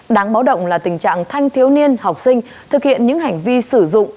đáng báo động là tình trạng thanh thiếu niên học sinh thực hiện những hành vi sử dụng